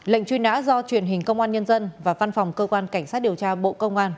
lệnh truy nã do truyền hình công an nhân dân và văn phòng cơ quan cảnh sát điều tra bộ công an